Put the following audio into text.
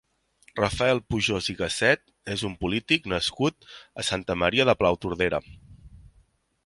Rafael Pujós i Gasset és un polític nascut a Santa Maria de Palautordera.